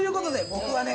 僕はね